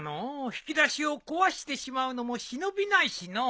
引き出しを壊してしまうのも忍びないしのう。